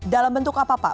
dalam bentuk apa pak